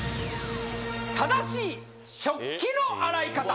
正しい食器の洗い方